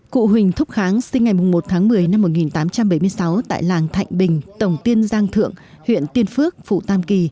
cụ huỳnh thúc kháng sinh ngày một tháng một mươi năm một nghìn tám trăm bảy mươi sáu tại làng thạnh bình tổng tiên giang thượng huyện tiên phước phụ tam kỳ